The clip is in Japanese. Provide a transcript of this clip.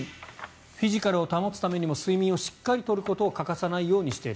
フィジカルを保つためにも睡眠をしっかり取ることを欠かさないようにしている。